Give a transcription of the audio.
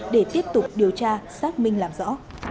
để tiếp tục điều tra xác minh làm rõ